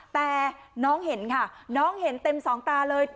แต่น้องเห็นค่ะน้องเห็นเต็มสองตาเลย